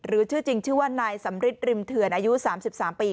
หรือชื่อจริงชื่อว่านายสำริดริมเทือนอายุสามสิบสามปี